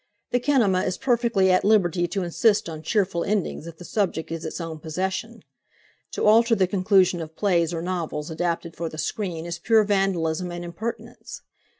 The kinema is perfectly at liberty to insist on cheerful endings if the subject is its own possession. To alter the conclusion of plays or novels adapted for the screen is pure vandalism and impertinence.